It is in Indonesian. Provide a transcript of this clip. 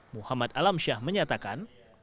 muhammad alamsyah menyatakan